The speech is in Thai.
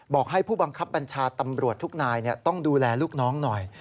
บอกให้ผู้บังคับบัญชาตำรวจทุกนายต้องดูแลลูกน้องหน่อย